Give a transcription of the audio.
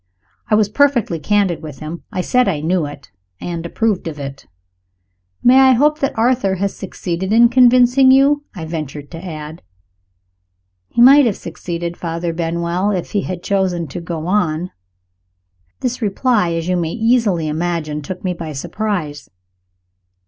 I was perfectly candid with him I said I knew it, and approved of it. "May I hope that Arthur has succeeded in convincing you?" I ventured to add. "He might have succeeded, Father Benwell, if he had chosen to go on." This reply, as you may easily imagine, took me by surprise.